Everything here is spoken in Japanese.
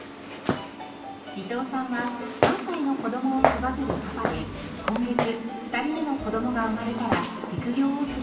伊藤さんは３歳の子供を育てるパパで今月２人目の子供が生まれたら育業をする予定です。